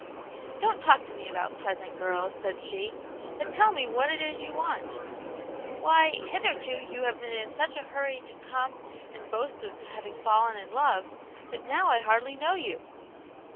"Don't talk to me about 'pleasant girls,*" said she, " but tell me what it is you want } Why, hitherta you have been in such a hurry to come and boast of having fallen in love, that now I hardly know you."